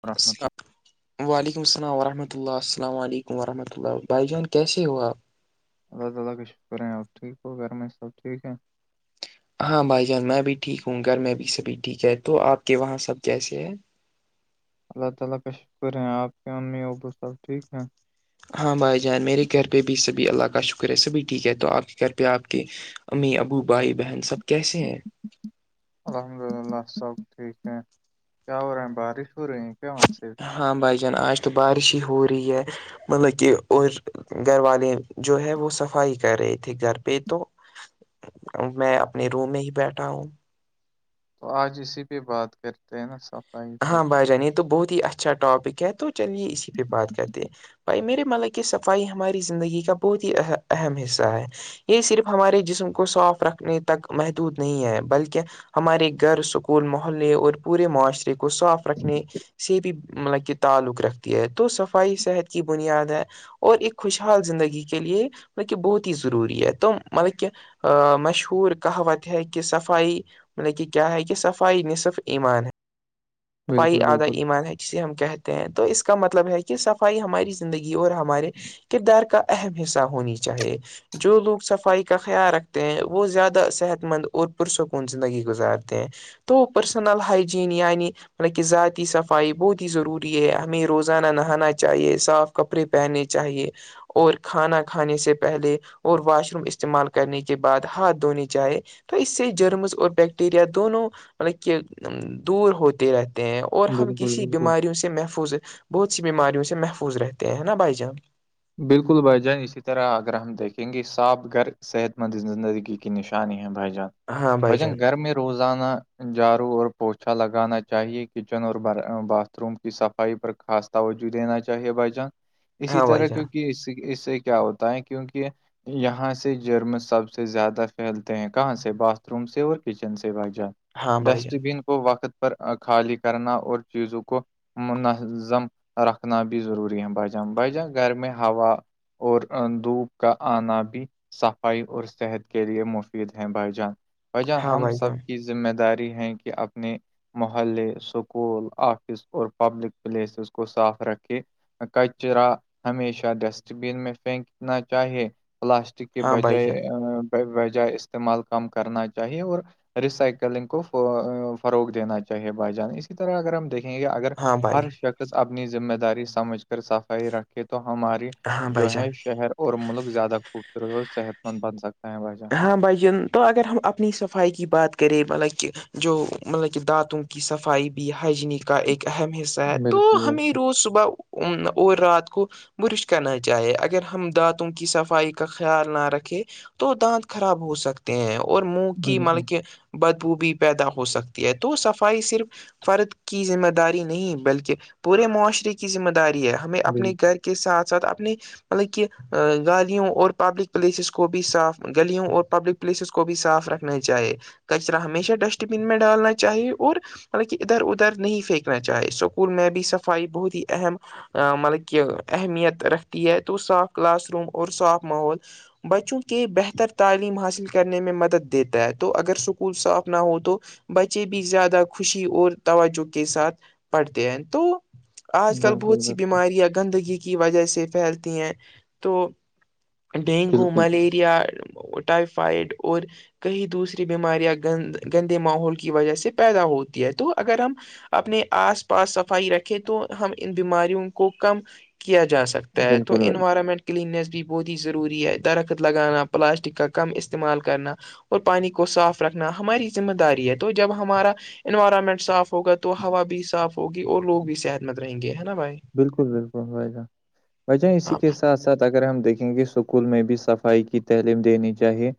پرکھ تو السلام وعلیکم السلام ورحمۃ اللہ السلام علیکم وورحمۃ اللہ بھائی جان کیسے ہو آپ اللہ تعالی کا شکر ہے آپ ٹھیک ہو گھر میں سبٹھیک ہے ہاں بھائی جان میں بھی ٹھیک ہوں گھر میں بھی سبھی ٹھیک ہے تو آپ کے وہاں سب کیسے ہیں اللہ تعالی کا شکر ہیں آپ کے امی ابو سب ٹھیک ہیں ہاں بھائی جان میرے گھر پہ بھی سبھی اللہ کا شکر ہے سبھی ٹھیک ہے تو آپ کے گھر پہ آپ کے امی ابو بھائی بہن سب کیسے ہیں الحمد للہ سب ٹھیک ہے کیا ہو رہا ہیں بارش ہو رہی ہے پ مان سے ہاں بھائی جان آج تو بارش ہی ہو رہی ہے مطلب کہ اور گھر والے جو ہے وہ صفائی کر رہے تھے گھر پہ تو میں اپنے روم میں ہی بیٹھا ہوں تو آج اسی پہ بات کرتے ہیں نا سب ہاں بھائی جان یہ تو بہت ہی اچھا ٹاپک ہے تو چلیے اسی پہ بات کرتے ہیں بھائی میرے ملک کی صفائی ہماری زندگی کا بہت ہی اہم حصہ ہے یہ صرف ہمارے جسم کو صاف رکھنے تک محدود نہیں ہے بلکہ ہمارے گھر سکول محلے اور پورے معاشرے کو صاف رکھنے سے بھی مطلب کہ تعلق رکھتی ہے تو صفائی صحت کی بنیاد ہے اور ایک خوشحال زندگی کے لیے مطب کہ بہت ہی ضروری ہے تو مطلب کہ ا مشہور کہاوت ہے کہ صفائی مطلب کہ کیا ہے کہ صفائی ن صرف ایمان ہے صفعی بالکل ادھا بالکل ایمان ہے جسے ہم کہتے ہیں تو اس کا مطلب ہے کہ سف ہماری زندگی اور ہمارے کردار کا اہم حصہ ہونی چاہیے جو لوگ صفائی کا خیال رکھتے ہیں وہ زیادہ صحت مند اور پرسکون زندگی گزارتے ہیں تو پرسنل ہائجین یعنی حالکہ ذاتی صفائی بہت ہی ضروری ہے ہمیں روزانہ نہانا چاہیے صاف کپڑے پہننے چاہیے اور کھانا کھانے سے پہلے اور واش روم استعمال کرنے کے بعد ہاتھ دھونے جائے تو اس سے جرمز اور بیکٹیریا دونوں مطلب کہ دور ہو رہتے ہیں اور ہم بالکل کسی بالکل بیماریوں سے محفوظ بہت سی بیماریوں سے محفوظ رہتے ہیں نا بھائی جان بالکل بھائی جان اسی طرح اگر ہم دیکھیں گے صاپ گھر صحت مند زندگی کی نشانی ہے بھائی جان ہاں و بھائی ج جان نے گرمی روزانہ جاارو اور پوچھا لگانا چاہیے کچن اور باتھ روم کی صفائی پر خاص توجہ دینا چاہیے بھ جان اسی ہاں بھائی طرح جان کیونکہ اس اس سے کیا ہوتا ہے کیونکہ یہاں سے جرم سب سے زیادہ پھیلتے ہیں کہاں سے باتھ روم سے اور کچن سے با جات ہاں بھائی ڈسٹ جان بین کو وقت پر خالی کرنا اور چیزوں کو منظم رکھنا بھی ضروری ہے بائی جان بھائی جان گھر میں ہوا اور دھوپ کا آنا بھی صفائی اور صحت کے لیے مفید ہیں بھائی جان بھائی جان ہم سب کی ذمہ داری ہے کہ اپنے محلے اسکول آفس اور پبلک پلیسز کو صاف رکھے کچرا ہمیشہ ڈسٹ بین میں پھینکنا چاہیے پلاسٹک کے ہاں بھائی جان بجائے بجائے استعمال کم کرنا چاہیے اور ریسائکلنگ کو فروغ دینا چاہیے بائی جانے اسی طرح اگر ہم دیکھیں اگر ہاں بھائی ہر شخص اپنی ذمہ داری سمجھ کر صفائی رکھے تو ہماری ہاں بھائی جو جان ہے شہر اور ملک زیادہ خوبصورت اور صحت مند بن سکتا ہے ویس ہاں بھجن تو اگر ہم اپنی صفائی کی بات کریں مطلب کہ جو مطلب کہ دانتوں کی صفائی بھی ہائجین کا ایک اہم حص ایسا ہے تو بالکل بالکل ہمیں روز صبح اور رات کو برش کرنا چاہے اگر ہم دانتوں کی صفائی کا خیال نہ رکھیں تو دانت خراب ہو سکتے ہیں اور منہ کی بالکل مطلب کہ بدبوب بھی پیدا ہو سکتی ہے تو صفائی صرف فرد کی ذمہ داری نہیں بلکہ پورے معاشرے کی ذمہ داری ہے ہمیں بالکل اپنے گھر کے ساتھ ساتھ اپنے مطلب کہ گاڑیوں اور پبلک پلیسز کو بھی صاف گلیوں اور پبلک پلیسز کو بھی صاف رکھنا چاہیے کچرا ہمیشہ ڈسٹ بین میں ڈالنا چاہیے اور حالہ ادھر ادھر نہیں پھینکنا چاہے سکول میں بھی صفائی بہت ہی اہم مطلب کہ اہمیت رکھتی ہے تو صاف کلاس روم اور صاف ماحول بچوں کے بہر بر تعلیم حاصل کرنے میں مدد دیتا ہے تو اگر سکول صاف نہ ہو تو بچے بھی زیادہ خوشی اور توجہ کے ساتھ پڑھتے ہیں تو آج کل بالکل بہت سی بیماریاں گندگی کی وجہ سے پھیلتی ہیں تو ڈینگو بالکل ملیریا ٹائیفائیڈ اور کہیں دوسری بیماریاں گند گندے ماحول کی وجہ سے پیدا ہوتی ہے تو اگر ہم اپنے آس پاس صفائی رکھے تو ہم ان بیماریوں کو کم کیا جا سکتا تا ہے تو بالکل بھائی انوائرمنٹ کلیننیس بھی بہت ہی ضروری ہے درخت لگانا پلاسٹک کا کم استعمال کرنا اور پانی کو صاف رکھنا ہماری ذمہ داری ہے تو جب ہمارا انوائرمنٹ صاف ہوگا تو ہوا بھی صاف ہوگی اور لوگ بھی صحت مند رہیں گے ہے نا بھائی بالکل بالکل وائی جان بھ جان اسی ہاں کے ساتھ ساتھ اگر ہم دیکیں گے اسکول میں بھی صفائی کی تعلیم دینی چاہیے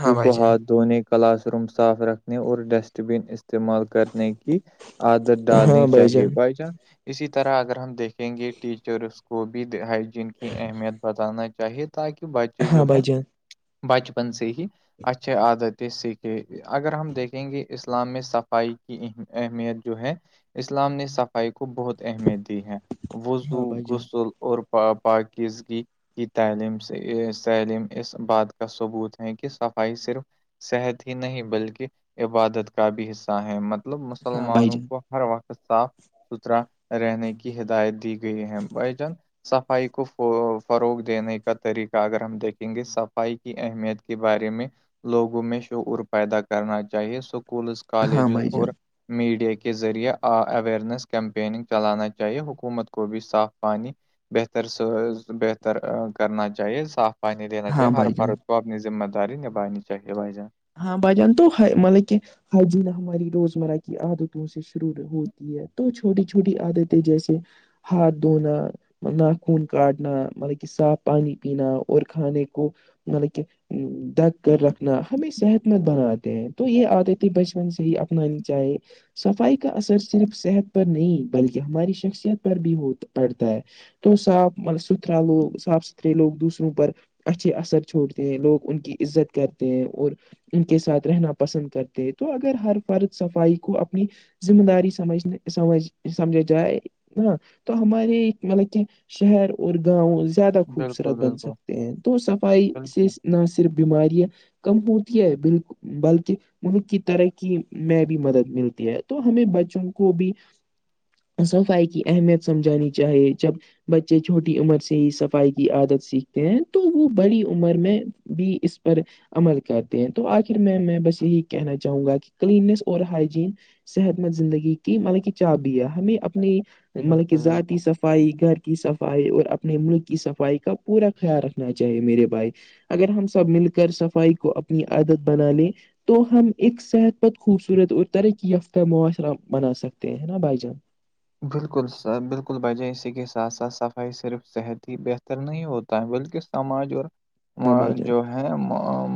ہاں بھائی کو جان ہاتھ دھونے کلاس روم صاف رکھنے اور ڈسٹ بن استعمال کرنے کی عادت ڈالنی ہاں بھائی چاہیے جان بائی چانس اسی طرح اگر ہم دیکھیں گے ٹیچرس کو بھی ہائجین کی اہمیت بتانا چاہیے تاکہ بچے جو ہاں ہے بھائی جان بچپن سے ہی اچھے عادتیں سیکھیں اگر ہم دیکھیں گے اسلام میں صفائی کی اہمیت جو ہے اسلام نے صفائی کو بہت اہمیت دی ہے ہاں وضو بھائی جان غسل اور پ پاکیز گی کی تعلیم سے تعلیم اس بات کا ثبوت ہے کہ صفائی صرف صحت ہی نہیں بلکہ عبادت کا بھی حصہ ہے م ملب ہاں بھائی مسلمانوں جان کو ہر وقت صاف ستھرا رہنے کی ہدایت دی گئی ہیں بائی جن صفائی کو فروغ دینے کا طریقہ اگر ہم دیکھیں گے صفائی اہمیت کے بارے میں لوگوں میں شعور پیدا کرنا چاہیے سک اسکولز ہاں کالجز بھائی جان اور میڈیا کے ذریعے اورنیس کیمپیننگ چلانا چاہیے حکومت کو بھی صاف پانی بہتر س بہتر کرنا چاہیے صاف ائ نہیں لینا ہاں چاہیے ہر بھائی جان بارت کو اپنی ذمہ داری نبھانی چاہیے بھائی جان ہاں بجان تو مطلب کہ ہر جین ہماری روزمرہ کی عادتوں سے شروع ہوتی ہے تو چھوٹی چھوٹی عادتیں جیسے ہاتھ دھونا ناخن کاٹنا مطلب کہ صاف پانی پینا اور کھانے کو مطلب کہ دگ کر رکھنا ہمیں صحت مند بناتے ہیں تو یہ آتے تھیں بچپن سے ہی اپنانی چاہے صفائی کا اثر صرف صحت پر نہیں بلکہ ہماری شخصیت پر بھی ہو پڑتا ہے تو صاف ملب ستھرا لوگ صاف ستھرے لوگ دوسروں پر اچھے اثر چھوڑتے ہیں لوگ ان کی عزت کرتے ہیں اور ان کے ساتھ رہنا پسند کرتے ہیں تو اگر ہر فرد صفائی کو اپنی ذمہ داری سمجنے سمج سمجھے جائے ہاں تو ہمارے مطلب کہ شہر اور گاؤ زیادہ بالکل خوبصورت بن بالکل سکتے ہیں تو صفائی سے بالکل نہ صرف بیماریاں کم ہوتی ہے بالکل بلکہ ان کی ترح کیی میں بھی مدد ملتی ہے تو ہمیں بچوں کو بھی صفائی کی اہمیت سمجھانی چاہیے جب بچے چھوٹی عمر سے ہی صفائی کی عادت سیکھتے ہیں تو وہ بڑی عمر میں بھی اس پر عمل کرتے ہیں تو آخر میں میں بس یہی کہنا چاہوں گا کہ کلینس اور ہائجین صحت مند زندگی کی مطلب کہ چابیا ہمیں اپنی مطلب کہ بالکل بالکل ذاتی سف صفائی گھر کی صفائی اور اپنے ملک کی صفائی کا پورا خیال رکھنا چاہیے میرے بھائی اگر ہم سب مل کر صفائی کو اپنی عادت بنا لیں تو ہم ایک صحت پر خوبصورت اور ترقی یافتہ معاشرہ بنا سکتے ہیں نا بھائی جان بالکل س بالکل بجائے اسی کے ساتھ ساتھ صفائی صرف صحت ہی بہتر نہیں ہوتی ت بلکے سماج اور ہاں بھائی جان جو ہے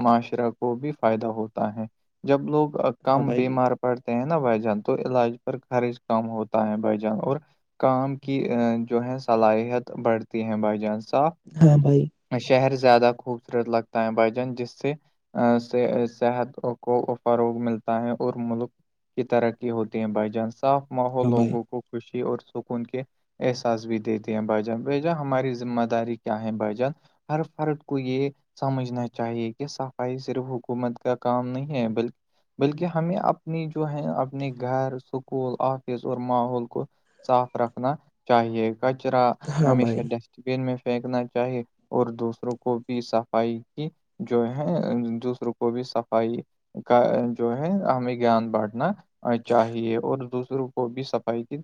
معاشرہ کو بھی فائدہ ہوتا ہے جب لوگ ہاں کم بھائی جان بیمار پڑتے ہیں نا وجن تو علاج پر خرچ کم ہو ہے بھائی جان اور کام کی جو ہے صلاحیت بڑھتی ہے بھائی جان صاف ہاں بھائی شہر زیادہ خوبصورت لگتا ہے بھائیجان جس سے [unintelligible] سے صحت کو فروغ ملتا ہے اور ملک کی ترقی ہوتی ہے بھائی جان صاف ماحول ہاں بھائی لوگوں کو خوشی اور سکون کے احساس بھی دیتے ہیں بائیجان بجان ہماری ذمہ داری کیا ہے بائیجان [unintelligible] ہر فرق کو یہ [unintelligible] سمجھنا چاہیے کہ صفائی صرف حکومت کا کام نہیں ہے بلکہ بلکہ ہمیں اپنی جو ہے اپنے گھر اسکول آفس اور ماحول کو صاف رکھنا چاہیے کچرا ہاں ہمیشہ بھائی ڈسٹ چین میں پھینکنا چاہی اور دوسروں کو بھی صفائی کی جو ہے دوسروں کو بھی صفائی کا جو ہے ہمیں گیان بانٹنا چاہیے اور دوسروں کو بھی صفائی کی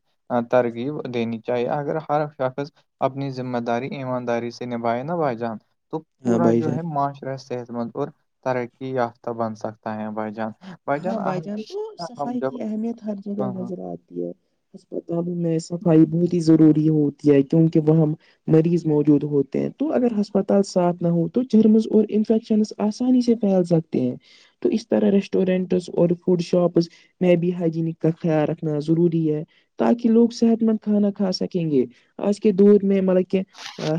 ترغیب دینی چاہیے اگر ہر شخص اپنی ذمہ داری ایمانداری سے نبھائے نہ بھائی جان تو ہاں پورا بھائی جو جان ہے معاشرہ صحت مند اور ترقی یافتہ بن سکتا ہے بھائی جان ہاں ہم بھائی جان تو دیکھتے ہیں نا، ہم صفائی جب کی اہمیت ہر جگہ ہاں ہاں نظر آتی ہے اسسپتالوں میں صفائی بہت ہی ضروری ہوتی ہے کیونکہ وہ مریض موجود ہوتے ہیں تو اگر ہسپتال صاف نہ ہو تو جرمز اور انفیکشنس آسانی سے پھیل سکتے ہیں تو اس طرح رش رٹورینٹس اور فوڈ شاپس میں بھی ہائجینک کا خیال رکھنا ضروری ہے تاکہ لوگ صحت مند کھانا کھا سکیں گے آج کے دور میں مطلب کہ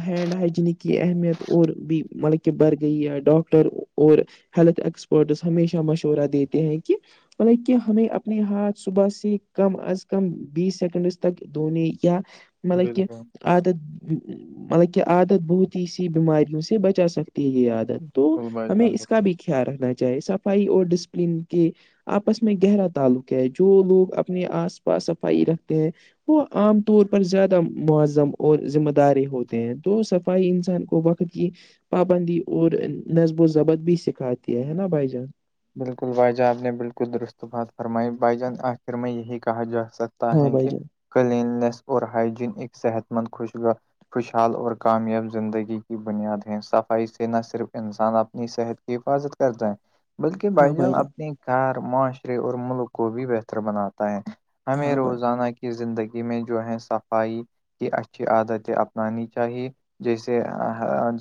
ہینڈ ہائجینک کی اہمیت اور بھی مطلب کہ بڑھ گئی ہے ڈاکٹر اور ہیلتھ ایکسپرٹس ہمیشہ مشورہ دیتے ہیں کہ مطلب کہ ہمیں اپنے ہاتھ صبح سے کم از کم بیس سیکنڈ تک دھونے یا مطلب کہ بالکل عادت مطلب کہ عادت بہت ہی سی بیماریوں سے بچا سکتی ہے یہ عادت تو بالکل بھائی ہمیں جان بالکل اس کا بھی خیال رکھنا چاہیے صفائی اور ڈسپلین کے آپس میں گہرا تعلق ہے جو لوگ اپنے آس پاس صفائی رکھتے ہیں وہ عام طور پر زیادہ معذم اور ذمہ داری ہوتے ہیں تو صفائی انسان کو وقت کی پابندی اور نصب و ضبط بھی سکھاتی ہے نا بھائی جان بالکل بھائی جان آپ نے بالکل درست بات فرمائی بائی جان آخر میں یہی کہا جا سکتا ت ہاں ہے بھائی کہ جان کلیننیس اور ہائجین ایک صحت مند خوشگا [unintelligible] خوشحال اور کامیاب زندگی کی بنیاد ہیں صفائی سے نہ صرف انسان اپنی صحت حفاظت کرتا ہے بلکہ بھائی جان اپنے گھر معاشرے اور ملک کو بھی بہتر بناتا ہے ہمیں ہاں بھائی روزانہ کی زندگی میں جو ہے صفائی کی اچھی عادتیں اپنانی چاہیے جیسے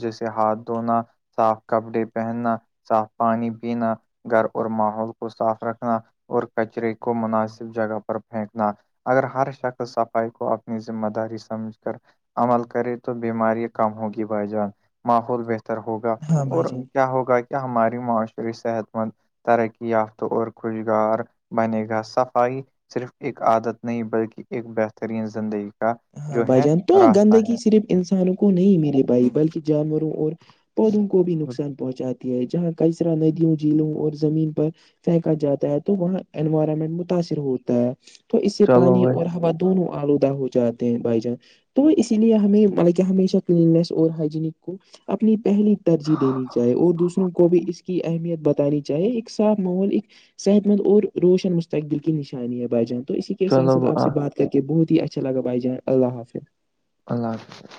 جیسے ہاتھ دھونا صاف کپڑے پہننا صاف پانی پینا گھر اور ماحول کو صاف رکھنا اور کچرے کو مناسب جگہ پر پھینکنا اگر ہر شخص صفائی کو اپنی ذمہ داری سمجھ کر عمل کرے تو بیمارییا کم ہوگی بھائی جان ماحول بہتر بتر ہوگا ہاں بھائی اور جان کیا ہوگا کہ ہماری معاشر صحت مند ترقی یافتہ اور خوشگار بنے گا صفائی صرف ایک عادت نہیں بلکہ ایک بہترین زندگی کا ہاں جو بھائی ہے جان تو راستہ گندگی ہے صرف انسانوں کو نہیں میرے بھائی بلکہ جانوروں اور پودوں کو بھی نقصان پہنچاتے ہے جہاں کئی طرح ندیوں جھیلوں اور زمین پر پھینکا جاتا ہے تو وہاں انوائرمنٹ متاثر ہوتا ہے تو اس سے چلو پانی بھائی اور ہوا دونوں آلودہ ہو جاتے ہیں بائی جانس تو اسی لیے ہمیں مطلب کہ ہمیشہ کلیننیس اور ہائجینک کو اپنی پہلی ترجیح دینی چاہے اور دوسروں کو بھی اس کی اہمیت بتانی چاہے ایک صاف ماحول ایک صحت مند اور روشن مستقبل کی نشانی ہے با جان تو اسی کے ساتھ چلو سھ آپ آ- سے بات کر کے بہت ہی اچھا لگا بھائی جان اللہ حافظ اللہ حافظ [inaudible]